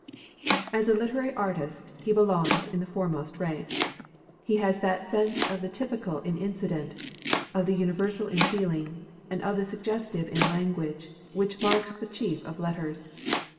As a literary artist, he belongs in the foremost rank. He has that sense of the typical in incident, of the universal in feeling, and of the suggestive in language, which mark the chiefs of letters.